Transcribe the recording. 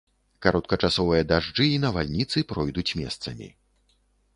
Кароткачасовыя дажджы і навальніцы пройдуць месцамі.